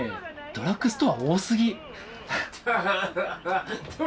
ドラッグストア多すぎ！